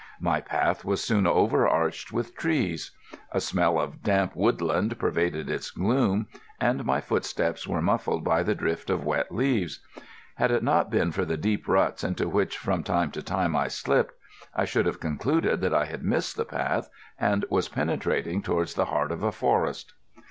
My path was soon overarched with trees. A smell of damp woodland pervaded its gloom, and my footsteps were muffled by the drift of wet leaves. Had it not been for the deep ruts into which from time to time I slipped, I should have concluded I had missed the path and was penetrating towards the heart of a forest.